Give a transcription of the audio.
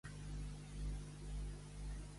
Quina petició pública va fer a Rivera?